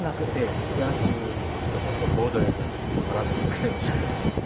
フランス語でもってボードレールなんてマラルメとかも好きです。